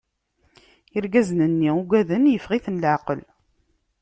Irgazen-nni ugaden, iffeɣ- iten leɛqel.